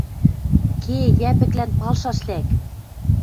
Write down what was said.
Ке, Йӓпӹклӓн палшаш лӓк!